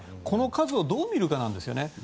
この数をどう見るかなんですね。